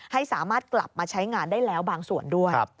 ให้สามารถกลับมาใช้งานได้แล้วบางส่วนด้วย